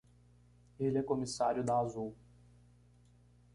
Ele é comissário da Azul.